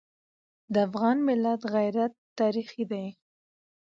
د افغان ملت غیرت تاریخي دی.